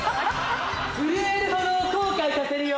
・震えるほど後悔させるよ・